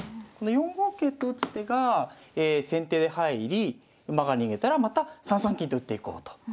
この４五桂と打つ手が先手で入り馬が逃げたらまた３三金と打っていこうと。